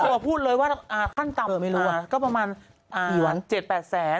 เขาก็พูดว่าขั้นตามป่างบริเวณ๗๘แสน